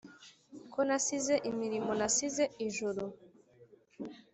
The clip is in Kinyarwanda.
ko nasize imirimo nasize ijuru